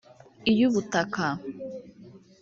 iy’Ubutaka